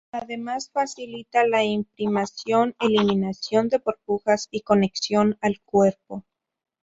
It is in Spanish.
Además facilita la imprimación, eliminación de burbujas y conexión al cuerpo.